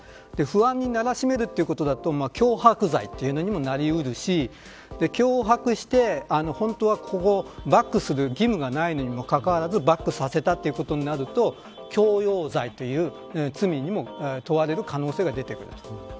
不安にならしめるということだと脅迫罪にもなりうるし脅迫して、本当はバックする義務がないのにもかかわらずバックさせたということになると強要罪という罪にも問われる可能性が出てくると。